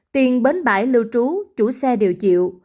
tiền bến bãi lưu trú chủ xe đều chịu